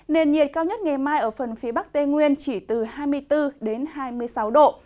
nền nhiệt cao nhất ngày mai ở phần phía bắc tây nguyên chỉ từ hai mươi bốn đến hai mươi sáu độ